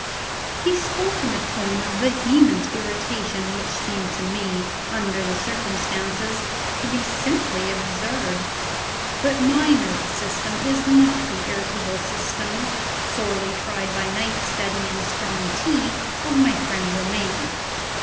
He spoke in a tone of vehement irritation which seemed to me, under the circumstances, to be simply absurd. But my nervous system is not the irritable system sorely tried by night study and strong tea of my friend Romayne.